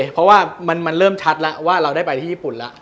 เพราะว่ามันเริ่มชัดแล้วว่าเราได้ไปที่ญี่ปุ่นแล้ว